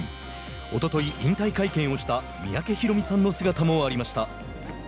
おととい引退会見をした三宅宏実さんの姿もありました。